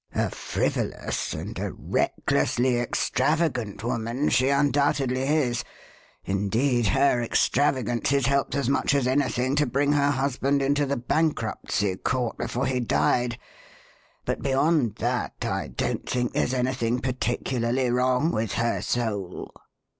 A frivolous and a recklessly extravagant woman she undoubtedly is indeed, her extravagances helped as much as anything to bring her husband into the bankruptcy court before he died but beyond that I don't think there's anything particularly wrong with her 'soul.'"